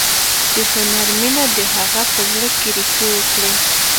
د هنر مینه د هغه په زړه کې ریښې وکړې